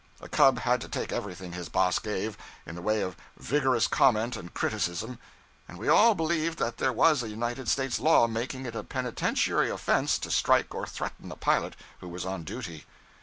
A cub had to take everything his boss gave, in the way of vigorous comment and criticism; and we all believed that there was a United States law making it a penitentiary offense to strike or threaten a pilot who was on duty.